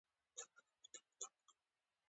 له همدې امله هلته امنیت ډېر سخت دی.